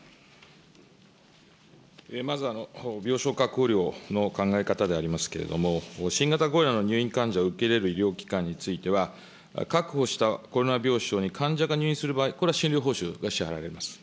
まず、病床確保料の考え方でありますけれども、新型コロナの入院患者を受け入れる医療機関については、確保したコロナ病床に患者が入院する場合、これは診療報酬が支払われます。